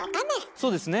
そうですね。